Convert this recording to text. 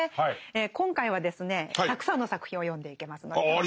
今回はですねたくさんの作品を読んでいけますので。